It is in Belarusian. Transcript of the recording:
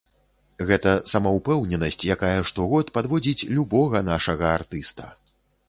Гэта самаўпэўненасць, якая штогод падводзіць любога нашага артыста.